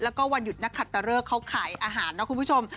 แล้วก็วันหยุดนักขัดตะเลิกเขาขายอาหารนะคุณผู้ชม